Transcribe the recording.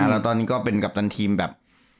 แล้วตอนนี้ก็เป็นกัปตันทีมแบบ